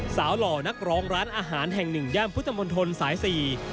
หล่อนักร้องร้านอาหารแห่งหนึ่งย่านพุทธมนตรสายสี่